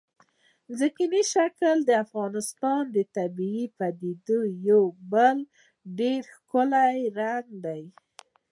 ځمکنی شکل د افغانستان د طبیعي پدیدو یو بل ډېر ښکلی رنګ دی.